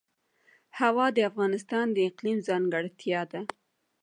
هوا د افغانستان د اقلیم ځانګړتیا ده.